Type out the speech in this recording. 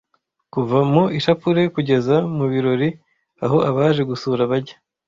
kuva mu ishapule kugeza mu birori aho abaje gusura bajya